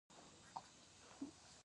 د تخار په کلفګان کې د مالګې کان شته.